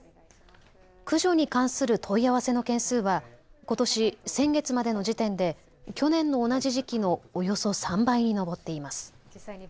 駆除に関する問い合わせの件数はことし、先月までの時点で去年の同じ時期のおよそ３倍に上っています。